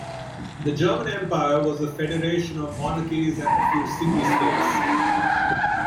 The German Empire was a federation of monarchies and a few city-states.